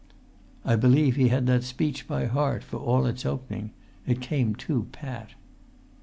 "I believe he had that speech by heart, for all its opening. It came too pat."